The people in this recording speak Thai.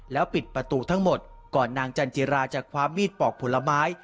แล้วปิดประตูทั้งหมดก่อนนางจันจิราจะคว้ามีดปอกผลไม้